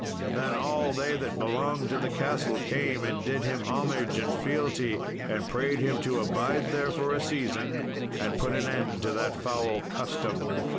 Then all they that belonged to the castle came and did him homage and fealty, and prayed him to abide there for a season and put an end to that foul custom.